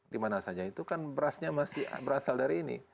dimana saja itu kan berasnya masih berasal dari ini